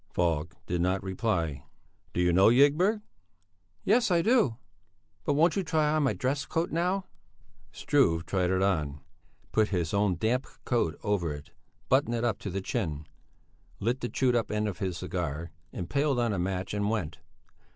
Falk did not reply. "Do you know Ygberg?" "Yes, I do. But won't you try on my dress coat now?" Struve tried it on, put his own damp coat over it, buttoned it up to the chin, lit the chewed up end of his cigar, impaled on a match, and went.